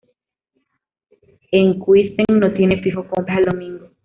Enkhuizen no tiene fijo compras el domingo.